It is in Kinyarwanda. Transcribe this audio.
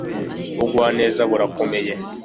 Ubugwaneza burakomeye